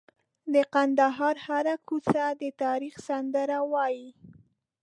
د کندهار هره کوڅه د تاریخ سندره وایي.